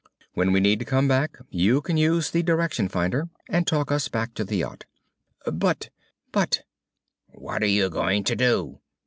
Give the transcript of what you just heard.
When we need to come back, you can use the direction finder and talk us back to the yacht." "But but " "_What are you going to do?